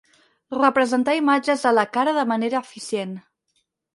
Representar imatges de la cara de manera eficient.